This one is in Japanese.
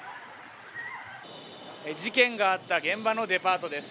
事件があった現場のデパートです。